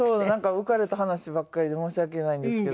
浮かれた話ばっかりで申し訳ないんですけど。